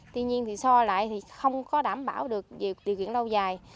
tuy nhiên thì so lại thì không có đảm bảo được việc điều kiện lâu dài